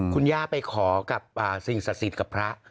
คุณย่าไปขอกับสิ่งสาธิตกับพระ